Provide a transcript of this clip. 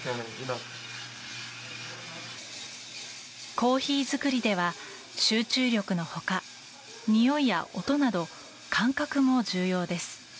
コーヒー作りでは集中力の他においや音など感覚も重要です。